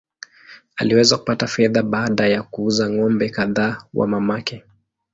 Aliweza kupata fedha baada ya kuuza ng’ombe kadhaa wa mamake.